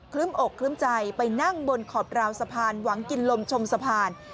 ึ้มอกคลื้มใจไปนั่งบนขอบราวสะพานหวังกินลมชมสะพาน